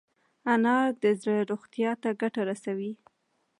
انار د زړه روغتیا ته ګټه رسوي.